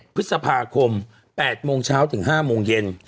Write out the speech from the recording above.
พฤษภาคม๘โมงเช้าถึง๕โมงเย็น